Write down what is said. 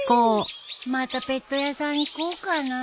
またペット屋さん行こうかな。